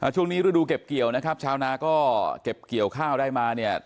ช่วงนี้ฤดูเก็บเกี่ยวนะครับชาวนาก็เก็บเกี่ยวข้าวได้มาเนี่ย